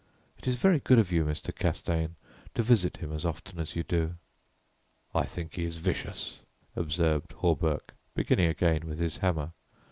It is very good of you, Mr. Castaigne, to visit him as often as you do." "I think he is vicious," observed Hawberk, beginning again with his hammer.